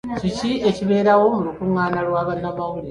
Kiki ekibeerawo mu lukungaana lwa bannamawulire?